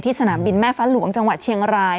สนามบินแม่ฟ้าหลวงจังหวัดเชียงราย